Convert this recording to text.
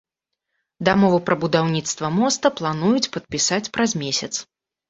Дамову пра будаўніцтва моста плануюць падпісаць праз месяц.